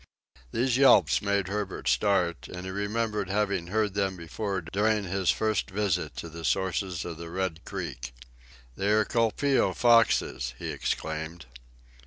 These yelps made Herbert start, and he remembered having heard them before during his first visit to the sources of the Red Creek. "They are colpeo foxes!" he exclaimed.